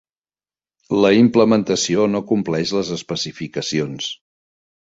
La implementació no compleix les especificacions.